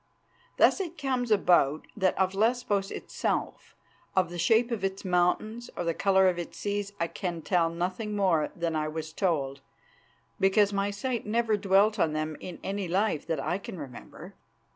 Thus it comes about that of Lesbos itself, of the shape of its mountains or the colour of its seas I can tell nothing more than I was told, because my sight never dwelt on them in any life that I can remember.